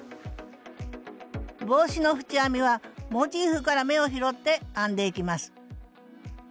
帽子の縁編みはモチーフから目を拾って編んでいきます